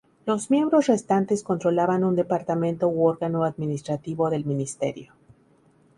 Los miembros restantes controlaban un departamento u órgano administrativo del Ministerio.